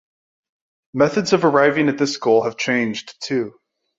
Methods of arriving at this goal have changed, too.